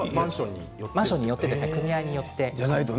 マンションによって組合によって違います。